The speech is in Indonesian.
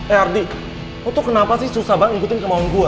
eh ardi lo tuh kenapa sih susah banget ngikutin kemauan gua